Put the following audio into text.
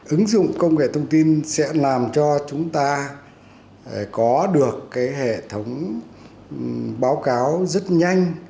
ứng dụng công nghệ thông tin sẽ làm cho chúng ta có được hệ thống báo cáo rất nhanh